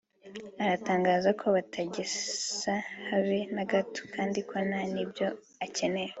aratangaza ko batagisa habe na gato kandi ko nta nibyo akeneye